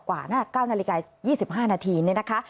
กว่าน่ะ๙นาฬิกา๒๕นาทีนี่นะคะ